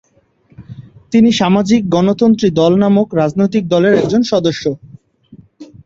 তিনি সামাজিক গণতন্ত্রী দল নামক রাজনৈতিক দলের একজন সদস্য।